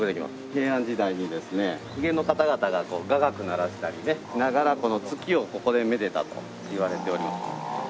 平安時代にですね公家の方々が雅楽鳴らしたりしながら月をここでめでたといわれております。